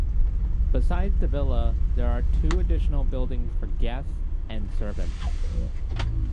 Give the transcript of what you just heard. Besides the villa, there are two additional buildings for guests and servants.